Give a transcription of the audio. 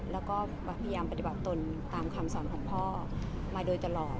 แล้วก็พยายามปฏิบัติตนตามคำสอนของพ่อมาโดยตลอด